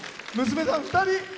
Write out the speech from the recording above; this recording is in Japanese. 娘さん２人。